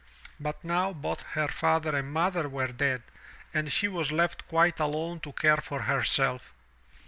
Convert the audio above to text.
But now both her father and mother were dead and she was left quite alone to care for herself.